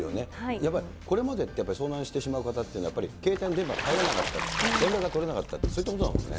やっぱりこれまでって、遭難してしまう方って、やっぱり携帯の電波が入らなかった、連絡が取れなかった、そういったことだもんね。